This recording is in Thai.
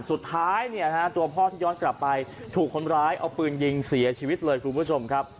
สุดท้ายเนี่ยฮะตัวพ่อที่ย้อนกลับไปถูกคนร้ายเอาปืนยิงเสียชีวิตเลยคุณผู้ชมครับ